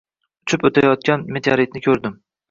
Uchib oʻtayotgan meteoritni ko'rdim